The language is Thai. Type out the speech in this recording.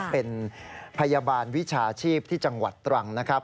เป็นพยาบาลวิชาชีพที่จังหวัดตรังนะครับ